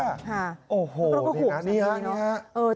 โอ้โหนี่ครับนี่ครับ